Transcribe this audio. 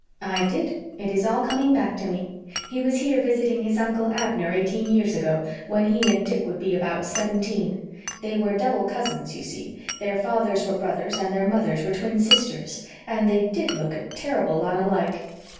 "I did. It is all coming back to me. He was here visiting his Uncle Abner eighteen years ago, when he and Dick would be about seventeen. They were double cousins, you see. Their fathers were brothers and their mothers were twin sisters, and they did look a terrible lot alike.